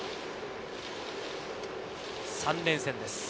３連戦です。